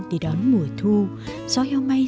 để đón mùa thu gió heo may